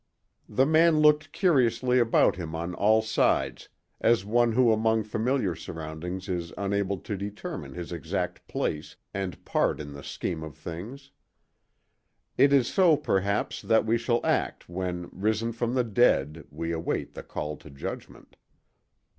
The man looked curiously about him on all sides, as one who among familiar surroundings is unable to determine his exact place and part in the scheme of things. It is so, perhaps, that we shall act when, risen from the dead, we await the call to judgment.